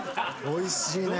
おいしいね。